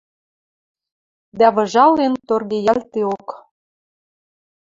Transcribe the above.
Дӓ выжален торгеялдеок.